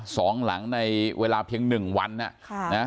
สองหลังในเวลาเพียงหนึ่งวันอ่ะค่ะนะ